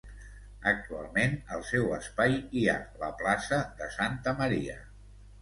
Actualment, al seu espai hi ha la plaça de Santa Maria.